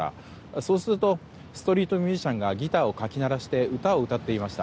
そうするとストリートミュージシャンがギターをかき鳴らして歌を歌っていました。